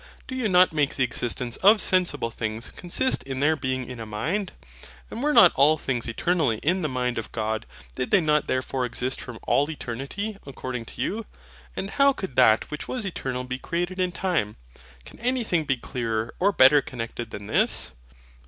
Do you not make the existence of sensible things consist in their being in a mind? And were not all things eternally in the mind of God? Did they not therefore exist from all eternity, according to you? And how could that which was eternal be created in time? Can anything be clearer or better connected than this?